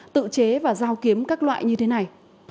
tự chế và dao kiếm các loại như thế này